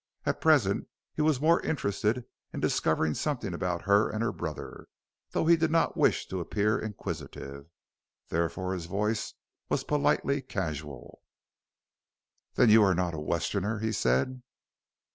At present he was more interested in discovering something about her and her brother, though he did not wish to appear inquisitive. Therefore his voice was politely casual. "Then you are not a Westerner?" he said.